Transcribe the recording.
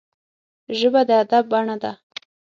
ژبه د ادب بڼه ده